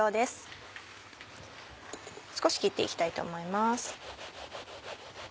少し切って行きたいと思います。